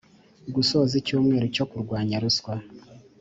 gusoza icyumweru cyo kurwanya ruswa